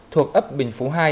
thuộc ấp bình phú hai